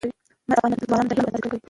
مس د افغان ځوانانو د هیلو استازیتوب کوي.